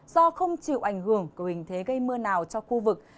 do không chịu ảnh hưởng của hình thế gây mưa nào cho khu vực